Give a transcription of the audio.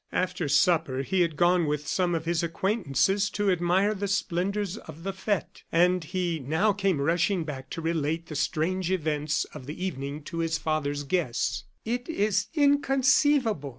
After supper he had gone with some of his acquaintances to admire the splendors of the fete, and he now came rushing back to relate the strange events of the evening to his father's guests. "It is inconceivable!"